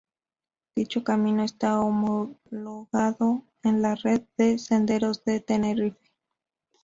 Dicho camino está homologado en la Red de Senderos de Tenerife.